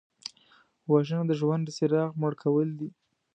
وژنه د ژوند د څراغ مړ کول دي